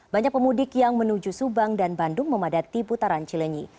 banyak pemudik yang menuju subang dan bandung memadati putaran cilenyi